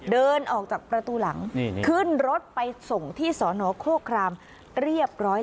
เดินออกจากประตูหลังขึ้นรถไปส่งที่สนโครครามเรียบร้อย